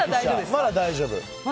まだ大丈夫。